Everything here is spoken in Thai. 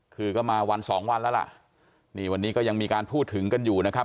คือก็มาวันสองวันแล้วล่ะนี่วันนี้ก็ยังมีการพูดถึงกันอยู่นะครับ